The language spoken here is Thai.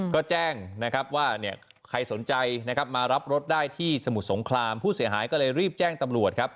ก็แจ้งนะครับว่าเนี่ยใครสนใจนะครับมารับรถได้ที่สมุทรสงครามผู้เสียหายก็เลยรีบแจ้งตำรวจครับ